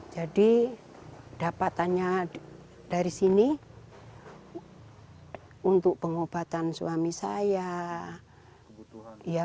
jadi dapatannya dari sini untuk pengobatan suami saya